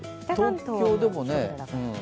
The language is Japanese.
東京でもね。